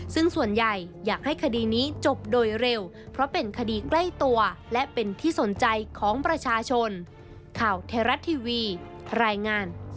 ซึ่งส่วนใหญ่อยากให้คดีนี้จบโดยเร็วเพราะเป็นคดีใกล้ตัวและเป็นที่สนใจของประชาชน